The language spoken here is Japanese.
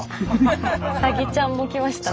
サギちゃんも来ましたね。